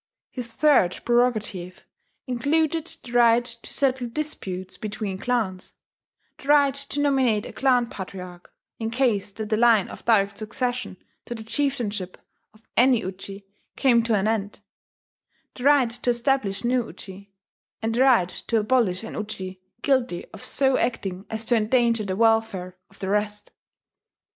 His third prerogative included the right to settle disputes between clans; the right to nominate a clan patriarch, in case that the line of direct succession to the chieftainship of any Uji came to an end; the right to establish new Uji; and the right to abolish an Uji guilty of so acting as to endanger the welfare of the rest.